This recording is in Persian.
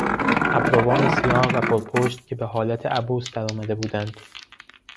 ابروان سیاه و پر پشت که به حالت عبوس درآمده بودند